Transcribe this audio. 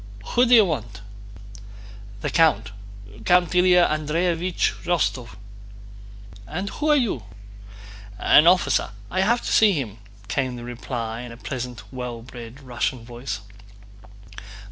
"Who do you want?" "The count—Count Ilyá Andréevich Rostóv." "And who are you?" "An officer, I have to see him," came the reply in a pleasant, well bred Russian voice.